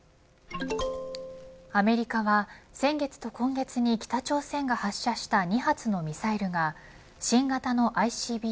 アメリカは先月と今月に北朝鮮が発射した２発のミサイルが新型のＩＣＢＭ